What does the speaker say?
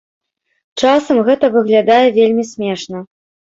Часам гэта выглядае вельмі смешна.